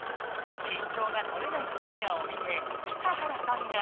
緊張がとれないソニアを見て北原さんが。